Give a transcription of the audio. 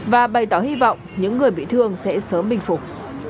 và bày tỏ hy vọng những người bị thương sẽ sớm bình phục